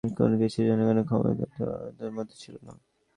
কোন কিছুই জনগণের ক্রয়ক্ষমতার আওতার মধ্যে ছিল না।